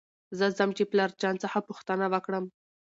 زه ځم چې پلار جان څخه پوښتنه وکړم .